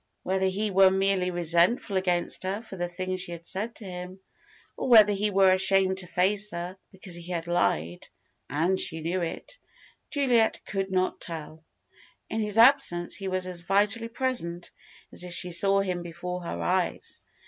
Whether he were merely resentful against her for the things she had said to him, or whether he were ashamed to face her because he had lied, and she knew it, Juliet could not tell. In his absence, he was as vitally present as if she saw him before her eyes.